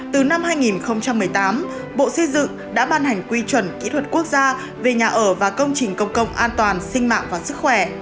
từ năm hai nghìn một mươi tám bộ xây dựng đã ban hành quy chuẩn kỹ thuật quốc gia về nhà ở và công trình công cộng an toàn sinh mạng và sức khỏe